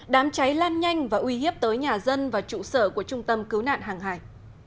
đám cháy lan nhanh và uy hiếp tới nhà dân và trụ sở của trung tâm cứu nạn hàng hải